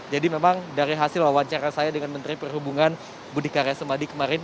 jadi memang dari hasil wawancara saya dengan menteri perhubungan budi karya semadi kemarin